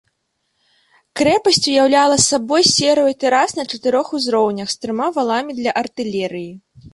Крэпасць уяўляла сабой серыю тэрас на чатырох узроўнях, з трыма валамі для артылерыі.